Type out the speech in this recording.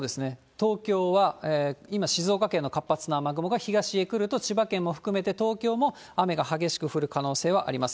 東京は今、静岡県の活発な雨雲が東へ来ると、千葉県も含めて、東京も雨が激しく降る可能性があります。